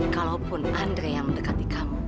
kalaupun andre yang mendekati kamu